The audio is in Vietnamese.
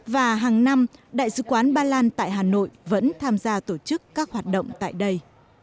và hàng năm đại sứ quán ba lan tại hà nội vẫn tham gia tổ chức các hoạt động tại đây